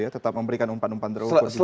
tetap memberikan umpan umpan terukur juga